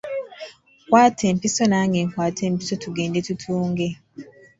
Kwata empiso nange nkwate empiso tugende tutunge.